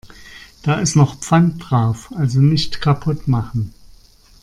Da ist noch Pfand drauf, also nicht kaputt machen.